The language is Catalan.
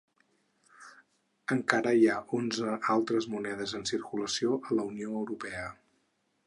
Encara hi ha onze altres monedes en circulació a la Unió Europea.